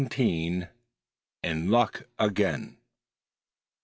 IN LUCK AGAIN.